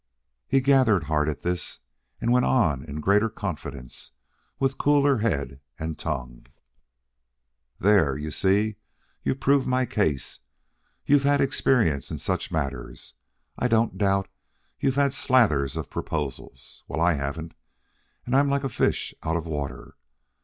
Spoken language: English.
He gathered heart at this, and went on in greater confidence, with cooler head and tongue. "There, you see, you prove my case. You've had experience in such matters. I don't doubt you've had slathers of proposals. Well, I haven't, and I'm like a fish out of water.